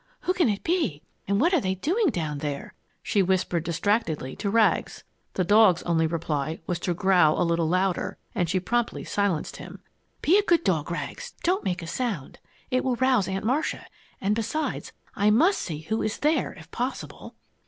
who can it be? And what are they doing there?" she whispered distractedly to Rags. The dog's only reply was to growl a little louder, and she promptly silenced him. "Be a good dog, Rags! Don't make a sound! It will rouse Aunt Marcia, and besides I must see who is there, if possible!"